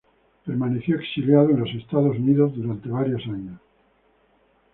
Permaneció exiliado en los Estados Unidos por varios años.